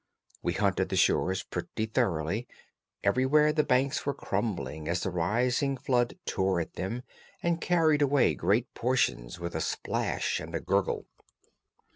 We hunted the shores pretty thoroughly. Everywhere the banks were crumbling as the rising flood tore at them and carried away great portions with a splash and a gurgle.